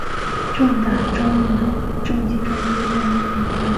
正体中文版由台湾角川发行。